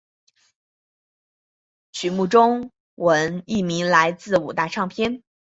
曲目中文译名来自五大唱片。